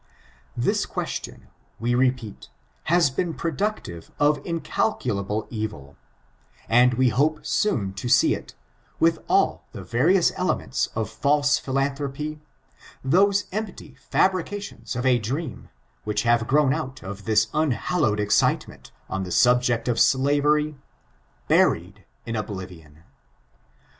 This ques tion, we repeat, has been productive of incalculable evil ; and we hope soon to see it, with all the various elements ^p^^^i^ ^^^^^^^^^^^^ 512 STRICTURES ON ABOUnONISM. of talae philauthropj ^ose empty fiibrications of a dream — ^which have grown oat of this unhallowed excite ment on the subject of slavery, buried in oblivion.